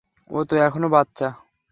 ও তো এখনো বাচ্চা!